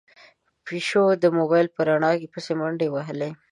پيشو د موبايل په رڼا پسې منډې وهلې.